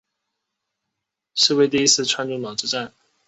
是为第一次川中岛之战。